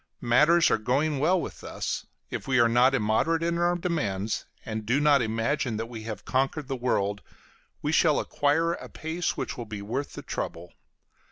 Matters are going well with us; if we are not immoderate in our demands, and do not imagine that we have conquered the world, we shall acquire a pace which will be worth the trouble.